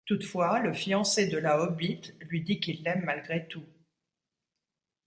Toutefois, le fiancé de la Hobbit lui dit qu'il l'aime malgré tout.